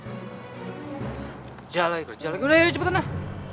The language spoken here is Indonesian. kerja lagi kerja lagi udah yuk cepetan lah